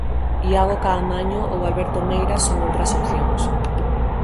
Iago Caamaño ou Alberto Meira son outras opcións.